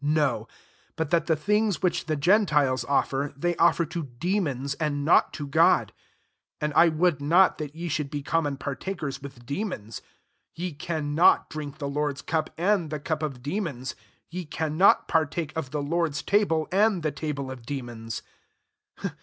20 JSTo : but that the thiogi which the gentiles offer, they offer to demons, and not to €rod: and I would not that ye shoold be common partakers with de mons. 21 Ye cannot drink the Lord's cup, and the cup of de mons : ye cannot partake of the Lord's table, and the table of demons.